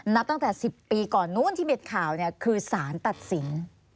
นับตั้งแต่๑๐ปีก่อนนู้นที่มีข่าวคือสารตัดสิน